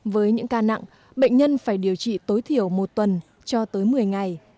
với những ca nặng bệnh nhân phải điều trị tối thiểu một tuần cho tới một mươi ngày